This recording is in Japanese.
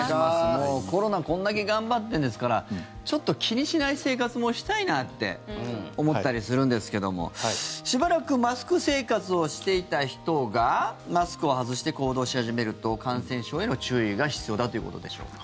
コロナこんだけ頑張ってんですからちょっと気にしない生活もしたいなって思ったりするんですけどもしばらくマスク生活をしていた人がマスクを外して行動し始めると感染症への注意が必要だということでしょうか。